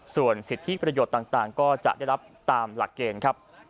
ส่วนสิทธิประโยชน์ต่างก็จะได้รับตามหลักเกณฑ์ครับ